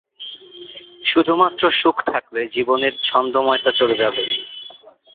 শুধুমাত্র সুখ থাকলে জীবনের ছন্দময়তা চলে যাবে।